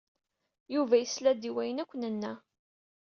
Yuba yesla-d i wayen akk nenna.